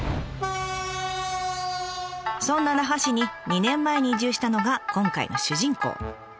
そんな那覇市に２年前に移住したのが今回の主人公。